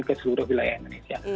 ke seluruh wilayah indonesia